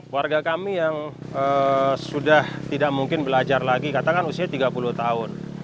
warga kami yang sudah tidak mungkin belajar lagi katakan usia tiga puluh tahun